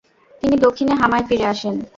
তিনি দক্ষিণে হামায় ফিরে আসেন।